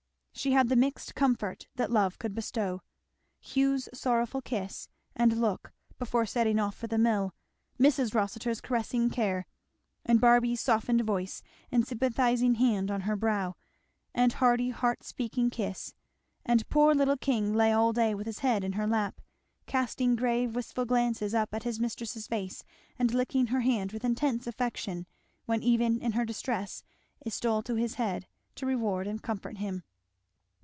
She had the mixed comfort that love could bestow; Hugh's sorrowful kiss and look before setting off for the mill, Mrs. Rossitur's caressing care, and Barby's softened voice, and sympathizing hand on her brow, and hearty heart speaking kiss, and poor little King lay all day with his head in her lap, casting grave wistful glances up at his mistress's face and licking her hand with intense affection when even in her distress it stole to his head to reward and comfort him.